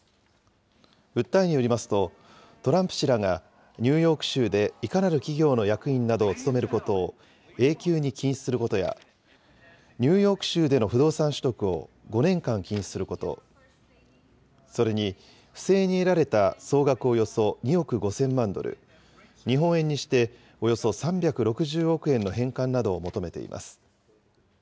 訴えによりますと、トランプ氏らがニューヨーク州でいかなる企業の役員などを務めることを永久に禁止することや、ニューヨーク州での不動産取得を５年間禁止すること、それに不正に得られた総額およそ２億５０００万ドル、日本円にしておよそ３６０億円の返還などを求めています。